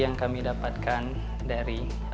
yang kami dapatkan dari